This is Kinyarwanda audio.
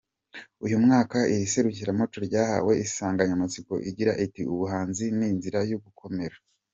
Uyu mwaka iri serukiramuco ryahawe insanganyamatsiko igira iti “Ubuhanzi n’Inzira y’Ugukomera.